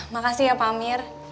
makasih ya pak amir